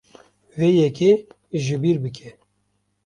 Vê yekê ji bîr bike.